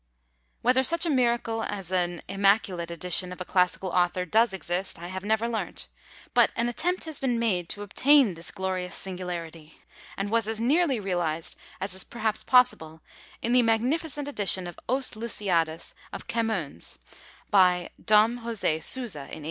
Whether such a miracle as an immaculate edition of a classical author does exist, I have never learnt; but an attempt has been made to obtain this glorious singularity and was as nearly realised as is perhaps possible in the magnificent edition of Os Lusiadas of Camoens, by Dom Joze Souza, in 1817.